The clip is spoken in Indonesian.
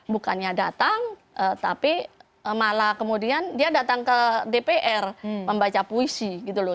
bukannya datang tapi malah kemudian dia datang ke dpr membaca puisi gitu loh